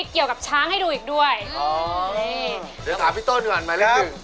แล้วคุณจับผิดดูว่าเขาเป็นอะไรยังไง